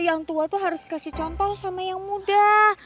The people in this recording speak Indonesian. yang tua itu harus kasih contoh sama yang muda